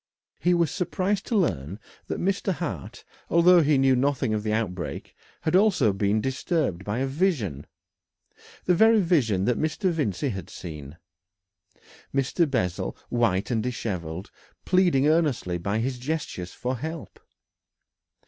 He was surprised to learn that Mr. Hart, although he knew nothing of the outbreak, had also been disturbed by a vision, the very vision that Mr. Vincey had seen Mr. Bessel, white and dishevelled, pleading earnestly by his gestures for help.